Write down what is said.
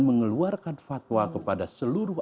mengeluarkan fatwa kepada seluruh